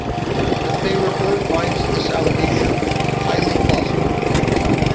The Fay Report finds this allegation "highly plausible".